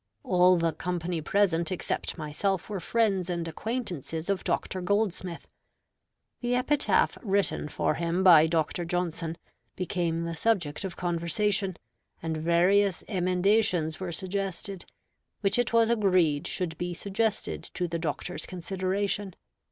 All the company present except myself were friends and acquaintances of Dr. Goldsmith. The Epitaph written for him by Dr. Johnson became the subject of conversation, and various emendations were suggested, which it was agreed should be suggested to the Doctor's consideration.